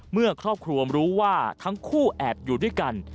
เมื่อครอบครัวรู้ว่าทั้งคู่แอบอยู่ด้วยกัน